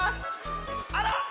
あら。